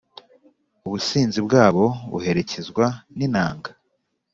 Ubusinzi bwabo buherekezwa n’inanga,